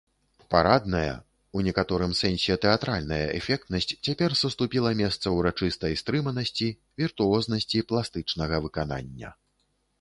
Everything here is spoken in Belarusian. Парадная, у некаторым сэнсе тэатральная эфектнасць цяпер саступіла месца ўрачыстай стрыманасці, віртуознасці пластычнага выканання.